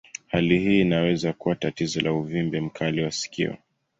Hali hii inaweza kuwa tatizo la uvimbe mkali wa sikio.